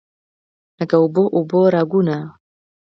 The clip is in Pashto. لکه اوبه، اوبه راګونه